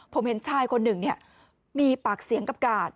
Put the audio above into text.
ผมเห็นชายคนหนึ่งมีปากเสียงกับกาด